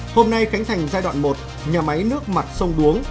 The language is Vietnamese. hôm nay khánh thành giai đoạn một nhà máy nước mặt sông đuống